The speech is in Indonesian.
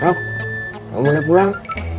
sok kamu boleh pulang